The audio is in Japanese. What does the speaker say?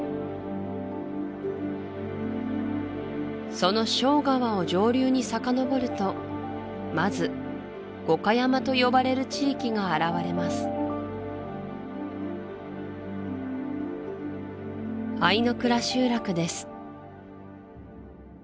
その庄川を上流にさかのぼるとまず五箇山と呼ばれる地域が現れます相倉集落です